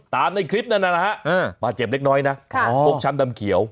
ในคลิปนั้นนะฮะบาดเจ็บเล็กน้อยนะฟกช้ำดำเขียว